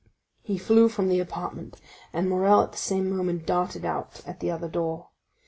He flew from the apartment, and Morrel at the same moment darted out at the other door.